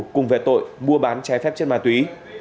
cùng về tội mua bán trái phép chất ma túy